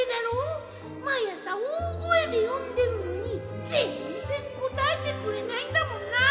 まいあさおおごえでよんでるのにぜんぜんこたえてくれないんだもんな。